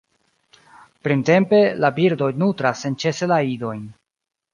Printempe, la birdoj nutras senĉese la idojn.